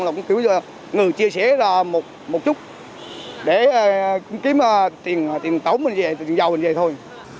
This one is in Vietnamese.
cũng kiếm người chia sẻ một chút để kiếm tiền tổng mình về tiền giàu mình về thôi